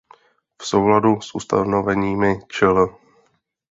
V souladu s ustanoveními čl.